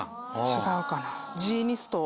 違うかな？